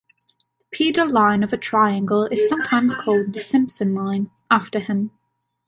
The pedal line of a triangle is sometimes called the "Simson line" after him.